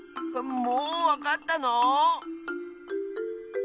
もうわかったの？